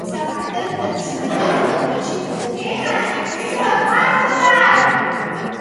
სამხრეთ და ჩრდილოეთ კედელში გაჭრილია თითო სწორკუთხა სარკმელი.